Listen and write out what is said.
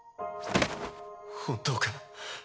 本当か？